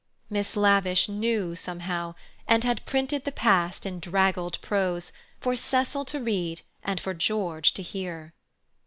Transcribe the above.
'" Miss Lavish knew, somehow, and had printed the past in draggled prose, for Cecil to read and for George to hear.